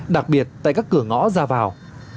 đặc biệt tại các cửa ngõ ra vào